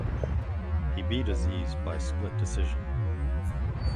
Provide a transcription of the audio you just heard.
He beat Aziz by split decision.